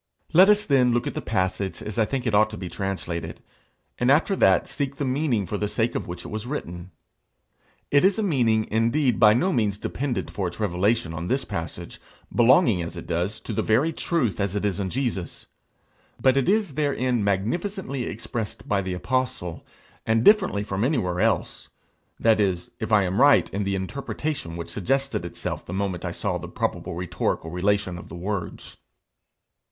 Let us then look at the passage as I think it ought to be translated, and after that, seek the meaning for the sake of which it was written. It is a meaning indeed by no means dependent for its revelation on this passage, belonging as it does to the very truth as it is in Jesus; but it is therein magnificently expressed by the apostle, and differently from anywhere else that is, if I am right in the interpretation which suggested itself the moment I saw the probable rhetorical relation of the words.